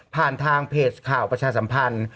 ผ่านทางเพจข่าวประชาสัมพันธ์